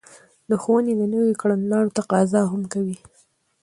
د ښوونې د نويو کړنلارو تقاضا هم کوي.